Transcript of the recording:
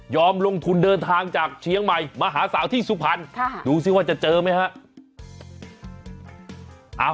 ยอมลงทุนเดินทางจากเชียงใหม่มาหาสาวที่สุภัณฑ์ดูซิว่าจะเจอมั๊ยฮะ